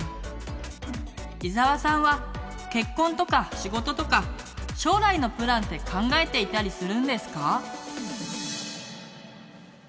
伊沢さんは結婚とか仕事とか将来のプランって考えていたりするんですか？